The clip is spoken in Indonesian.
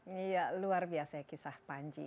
iya luar biasa ya kisah panji